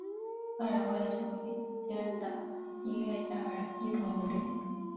二人为了成为顶尖的音乐家而一同努力。